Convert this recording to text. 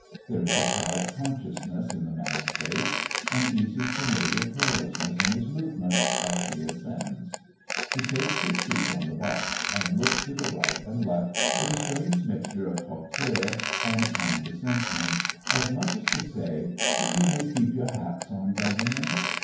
There is a proud consciousness in the man's face, an easy, familiar carelessness in his movements as he ascends. He takes his seat on the box, and looks to the right and left with a strange mixture of hauteur and condescension, as much as to say: "You may keep your hats on, gentlemen."